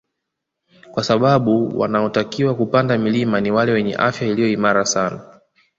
Kwa sababu wanaotakiwa kupanda milima ni wale wenye afya iliyo imara sana